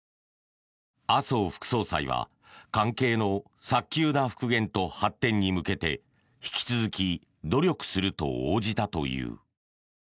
麻生副総裁は関係の早急な復元と発展に向けて引き続き努力すると応じたという。